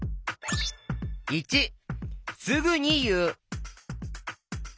①すぐにいう。